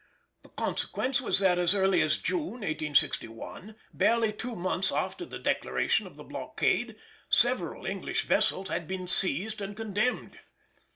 The consequence was that as early as June 1861, barely two months after the declaration of the blockade, several English vessels had been seized and condemned.